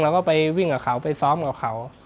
เราก็ไปวิ่งกับเขาไปซ้อมกับเขา